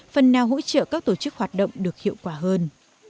phần nào hỗ trợ các tổ chức hoạt động được hiệu quả hơn